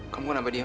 kamu kenapa diam